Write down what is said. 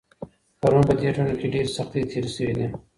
پرون په دې ټولنه کي ډېرې سختۍ تېري سوي دي.